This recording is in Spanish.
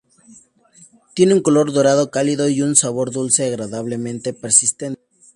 Tiene un color dorado cálido y un sabor dulce, agradablemente persistente.